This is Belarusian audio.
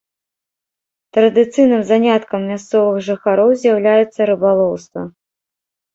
Традыцыйным заняткам мясцовых жыхароў з'яўляецца рыбалоўства.